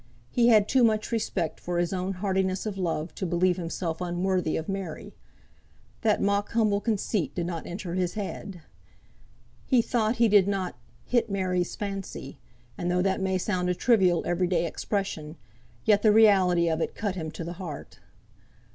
He had too much respect for his own heartiness of love to believe himself unworthy of Mary; that mock humble conceit did not enter his head. He thought he did not "hit Mary's fancy;" and though that may sound a trivial every day expression, yet the reality of it cut him to the heart.